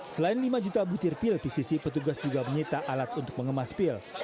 selain lima juta butir pil pcc petugas juga menyita alat untuk mengemas pil